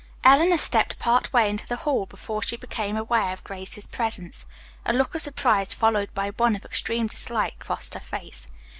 Eleanor stepped part way into the hall before she became aware of Grace's presence. A look of surprise, followed by one of extreme dislike crossed her face.